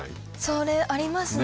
それありますね